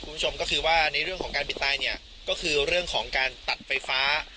คุณผู้ชมก็คือว่าในเรื่องของการปิดตายเนี่ยก็คือเรื่องของการตัดไฟฟ้า